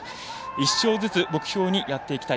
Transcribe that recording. １勝ずつ目標にやっていきたい。